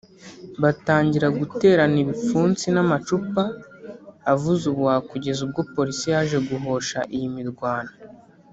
batangira guterana ibipfunsi n’amacupa avuza ubuhuha kugeza ubwo polisi yaje guhosha iyi mirwano